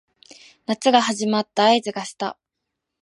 夏が始まった合図がした